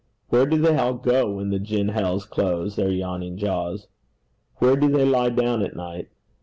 Where do they all go when the gin hells close their yawning jaws? Where do they lie down at night?